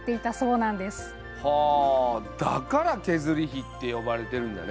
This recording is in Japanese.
はあだからけづりひって呼ばれてるんだね。